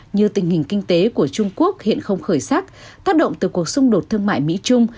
như tình hình kinh tế của trung quốc hiện không khởi sắc tác động từ cuộc xung đột thương mại mỹ trung